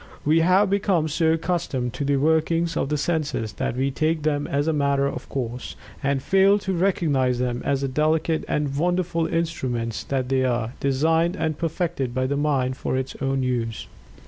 We have become so accustomed to the workings of the senses that we take them as a "matter of course," and fail to recognize them as the delicate and wonderful instruments that they are designed and perfected by the mind for its own use.